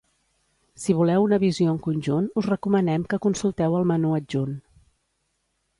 Si voleu una visió en conjunt, us recomanem que consulteu el menú adjunt.